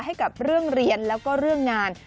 ให้กับเรื่องเรียนแล้วก็เรื่องงาน